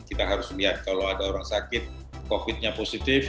kita harus lihat kalau ada orang sakit covid nya positif